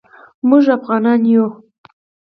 موږ افعانان یو